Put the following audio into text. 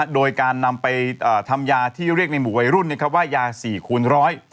โดยการนำไปทำยาที่เรียกในหมู่วัยรุ่นว่ายา๔คูณร้อย